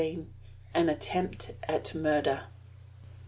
AN ATTEMPT AT MURDER.